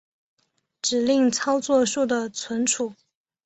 指令操作数的存储